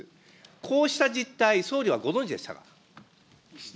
こうした実態、総理はご存じでし岸田